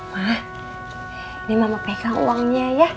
wah ini mama pegang uangnya ya